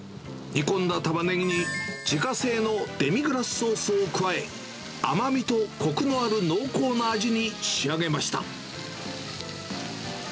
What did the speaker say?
煮込んだタマネギに自家製のデミグラスソースを加え、甘みとこくのある濃厚な味に仕上げました。